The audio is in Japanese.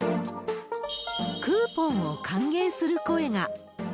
クーポンを歓迎する声が。